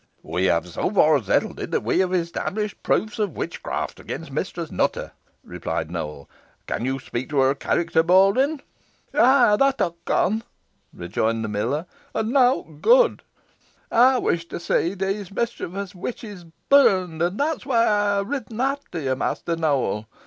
"We have so far settled it, that we have established proofs of witchcraft against Mistress Nutter," replied Nowell. "Can you speak to her character, Baldwyn?" "Yeigh, that ey con," rejoined the miller, "an nowt good. Ey wish to see aw these mischeevous witches burnt; an that's why ey ha' ridden efter yo, Mester Nowell.